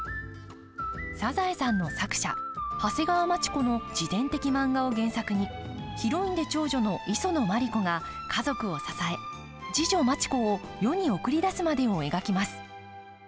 「サザエさん」の作者長谷川町子の自伝的漫画を原作にヒロインで長女の磯野マリ子が家族を支え次女・町子を世に送り出すまでを描きます。